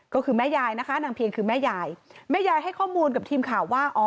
ก็คือแม่ยายนะคะนางเพียงคือแม่ยายแม่ยายให้ข้อมูลกับทีมข่าวว่าอ๋อ